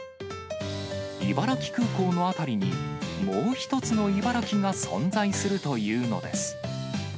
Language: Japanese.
茨城空港の辺りに、もう一つの茨城が存在するというのです。